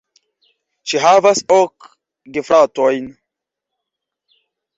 Ŝi havas ok gefratojn.